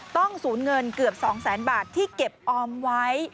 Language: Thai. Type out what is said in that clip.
ต้องสูญเงินเกือบ๒๐๐๐๐๐บาทที่เก็บออมไว้